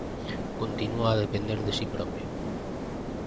Continúa a depender de si propio.